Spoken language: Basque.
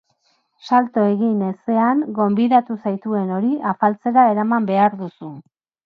Salto egin ezean, gonbidatu zaituen hori afaltzera eraman behar duzu.